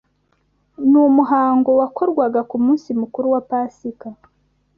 n’umuhango wakorwaga ku munsi mukuru wa Pasika